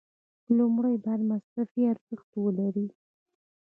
لومړی باید مصرفي ارزښت ولري.